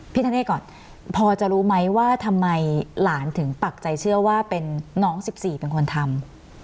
ธเนธก่อนพอจะรู้ไหมว่าทำไมหลานถึงปักใจเชื่อว่าเป็นน้อง๑๔เป็นคนทำ